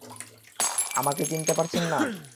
আমাকে চিনতে পারছেন না?